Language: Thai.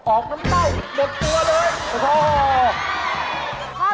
ออกน้ำเต้าหมดตัวเลย